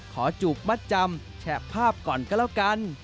จูบมัดจำแฉะภาพก่อนก็แล้วกัน